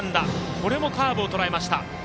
これもカーブをとらえました。